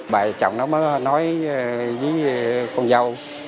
bà chồng nó mới nói với con dâu